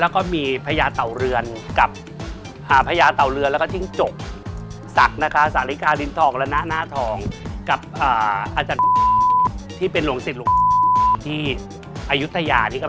แล้วก็มีพระยาเตาเรือนพระยาเตาเรือนแล้วก็ชิ้นจก